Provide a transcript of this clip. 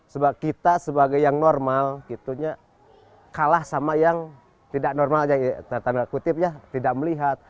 sebab kita sebagai yang normal gitu ya kalah sama yang tidak normal yang tanda kutip ya tidak melihat